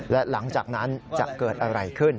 และหลังจากนั้นจะเกิดอะไรขึ้น